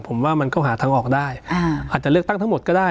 ผมว่ามันก็หาทางออกได้อาจจะเลือกตั้งทั้งหมดก็ได้